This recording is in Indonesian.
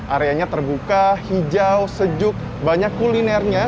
areanya terbuka hijau sejuk banyak kulinernya